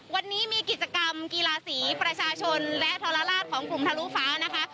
วันนี้มีกิจกรรมกีฬาสีประชาชนและทรลาศของกลุ่มทะลุฟ้านะคะ